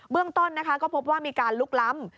เรื่องต้นนะคะก็พบว่ามีการลุกล้ำ